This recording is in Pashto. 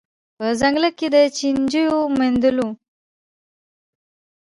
په ځنګله کي د چینجیو د میندلو